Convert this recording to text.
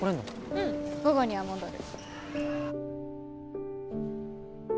うん午後には戻る。